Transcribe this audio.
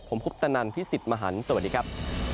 ผมพุทธนันทร์พี่สิทธิ์มหันธ์สวัสดีครับ